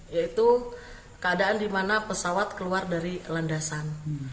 yaitu keadaan di mana pesawat keluar dari landasan